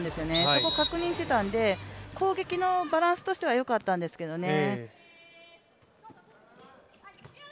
そこを確認してたので、攻撃のバランスとしてはよかったんですけどね。